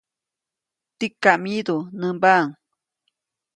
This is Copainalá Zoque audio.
Tikam myidu, nämbaʼuŋ.